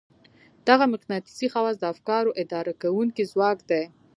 دغه مقناطيسي خواص د افکارو اداره کوونکی ځواک دی.